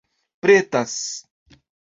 pretas